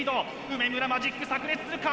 梅村マジックさく裂するか？